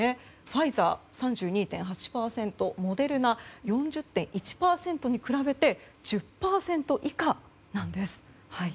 ファイザー、３２．８％モデルナ、４０．１％に比べて１０％以下なんです。